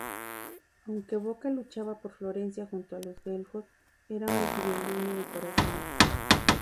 Aunque Bocca luchaba por Florencia junto a los güelfos, era un gibelino de corazón.